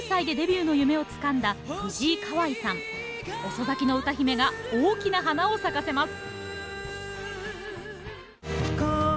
遅咲きの歌姫が大きな花を咲かせます！